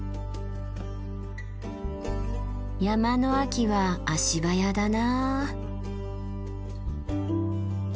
山の秋は足早だなあ。